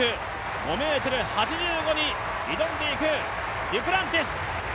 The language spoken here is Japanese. ５ｍ８５に挑んでいくデュプランティス。